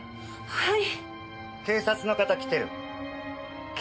はい。